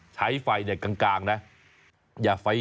ใช้ไฟกลางนะ